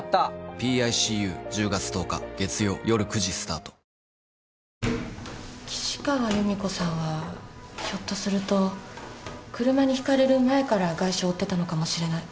コイツだ岸川由美子さんはひょっとすると車にひかれる前から外傷を負ってたのかもしれない。